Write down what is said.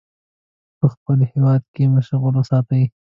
په خپل هیواد کې مشغول وساتي.